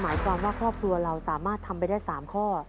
หมายความว่าครอบครัวเราสามารถทำไปได้๓ข้อ